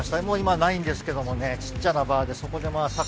もう今ないんですけどもねちっちゃなバーでそこでまあ